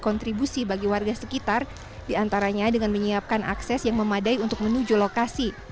kontribusi bagi warga sekitar diantaranya dengan menyiapkan akses yang memadai untuk menuju lokasi